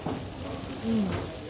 うん。